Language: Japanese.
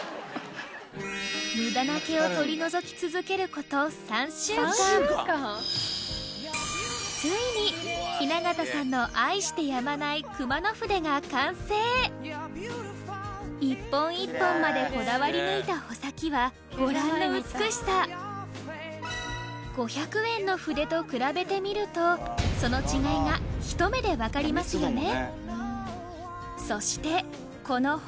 無駄な毛を取り除き続けることついに雛形さんの愛してやまない一本一本までこだわり抜いた穂先はご覧の美しさ５００円の筆と比べてみるとその違いがひと目でわかりますよね？